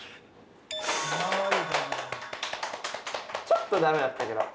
ちょっと駄目だったけど。